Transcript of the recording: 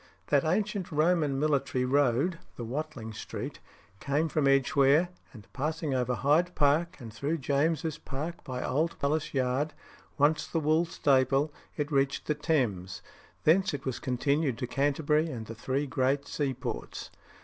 That ancient Roman military road (the Watling Street) came from Edgeware, and passing over Hyde Park and through St. James's Park by Old Palace Yard, once the Wool Staple, it reached the Thames. Thence it was continued to Canterbury and the three great seaports.